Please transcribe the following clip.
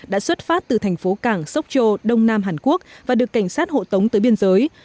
đã xuất phát từ thành phố cảng sóc châu đông nam hàn quốc và được cảnh sát hộ tống tới biên giới